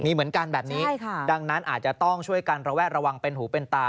มีเหมือนกันแบบนี้ใช่ค่ะดังนั้นอาจจะต้องช่วยกันระแวดระวังเป็นหูเป็นตา